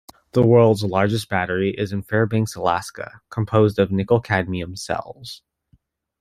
The world's largest battery is in Fairbanks, Alaska, composed of Ni-Cd cells.